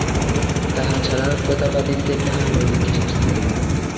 তাহা ছাড়া, প্রতাপাদিত্যের তাহা হইলে কি শাস্তি হইল?